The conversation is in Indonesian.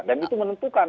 dan itu menentukan